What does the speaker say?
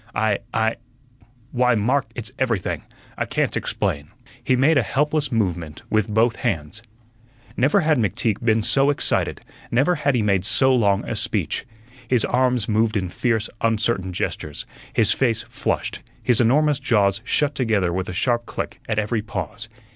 I I why, Mark, it's everything I can't explain." He made a helpless movement with both hands. Never had McTeague been so excited; never had he made so long a speech. His arms moved in fierce, uncertain gestures, his face flushed, his enormous jaws shut together with a sharp click at every pause.